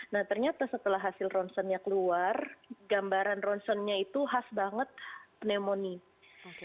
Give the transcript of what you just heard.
nah ternyata setelah hasil ronsennya keluar gambaran ronsennya itu khas banget pneumonia